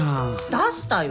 出したよ！